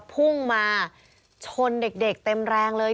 พุ่งมาชนเด็กเต็มแรงเลย